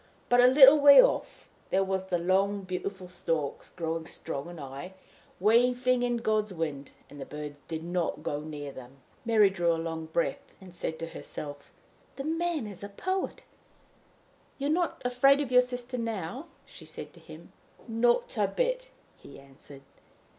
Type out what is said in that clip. But, a little way off, there was the long beautiful stalks growing strong and high, waving in God's wind; and the birds did not go near them." Mary drew a long breath, and said to herself: "The man is a poet!" "You're not afraid of your sister now?" she said to him. "Not a bit," he answered.